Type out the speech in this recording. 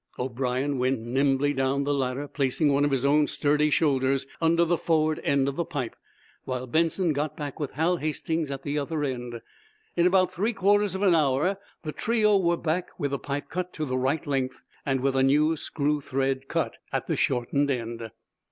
O'brien went nimbly down the ladder, placing one of his own sturdy shoulders under the forward end of the pipe, while Benson got back with Hal Hastings at the other end. In about three quarters of an hour the trio were back, with the pipe cut to the right length, and with a new screw thread cut at the shortened end.